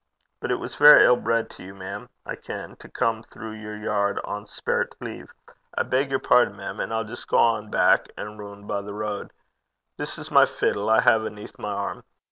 But it was verra ill bred to you, mem, I ken, to come throu your yaird ohn speirt leave. I beg yer pardon, mem, an' I'll jist gang back, and roon' by the ro'd. This is my fiddle I hae aneath my airm.